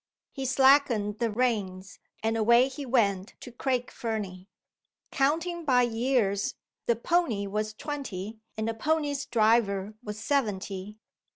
He slackened the reins, and away he went to Craig Fernie. Counting by years, the pony was twenty, and the pony's driver was seventy.